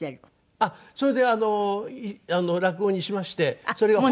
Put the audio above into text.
あっそれで落語にしましてそれが本に。